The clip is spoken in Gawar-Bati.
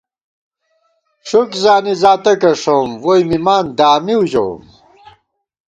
ݭُک زانی زاتَکہ ݭَوُم، ووئی مِمان دامِؤ ژَوُم